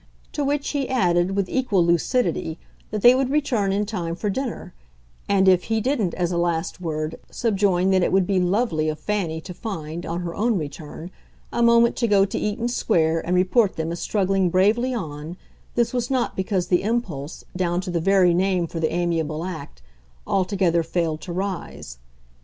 To which he added with equal lucidity that they would return in time for dinner, and if he didn't, as a last word, subjoin that it would be "lovely" of Fanny to find, on her own return, a moment to go to Eaton Square and report them as struggling bravely on, this was not because the impulse, down to the very name for the amiable act, altogether failed to rise.